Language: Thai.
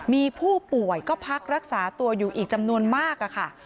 มีผู้ป่วยก็พักรักษาตัวอยู่อีกจำนวนมากค่ะ